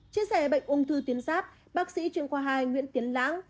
chia sẻ bệnh ung thư tiến giáp bác sĩ chuyên khoa hai nguyễn tiến lãng